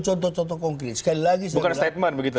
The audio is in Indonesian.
contoh contoh konkret sekali lagi soal statement begitu